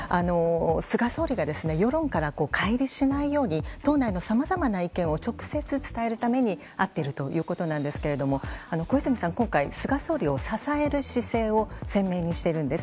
菅総理が世論から乖離しないように党内のさまざまな意見を直接伝えるために会っているということなんですけど小泉さん、今回菅総理を支える姿勢を鮮明にしているんです。